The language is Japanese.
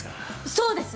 そうです